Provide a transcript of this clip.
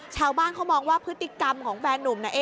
ชาวบ้านเขามองว่าพฤติกรรมของแฟนนุ่มนะ